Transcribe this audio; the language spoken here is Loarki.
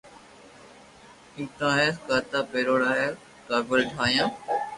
ديئو ھين ڪانا ني پڙاويو ھين قابل ٺايو